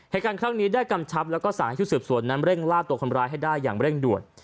เหตุการณ์ครั้งนี้ได้กำชับแล้วก็สั่งให้ชุดสืบสวนนั้นเร่งล่าตัวคนร้ายให้ได้อย่างเร่งด่วน